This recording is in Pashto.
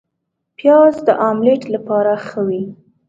پیاز د املیټ لپاره ښه وي